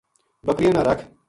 بکریاں نا رکھ